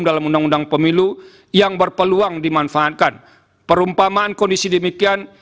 dalam undang undang pemilu yang berpeluang dimanfaatkan perumpamaan kondisi demikian